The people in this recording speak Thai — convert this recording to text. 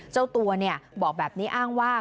เจ้าตัวบอกแบบนี้อ้างว่า